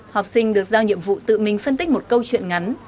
học sinh được giao nhiệm vụ tự mình phân tích một câu chuyện ngắn